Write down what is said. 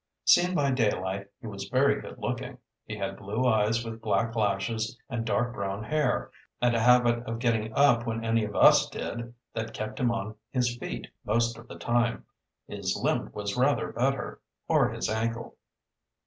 Seen by daylight, he was very good looking. He had blue eyes with black lashes and dark brown hair, and a habit of getting up when any of us did that kept him on his feet most of the time. His limp was rather better or his ankle.